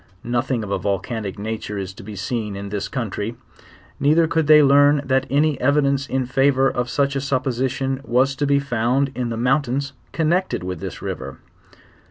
Nothing of a vulcanic nature is to be seen in this country; neither could iliey iearn that a.ny evidence in favor of such a supposition was to be found in the mountains connected with this river..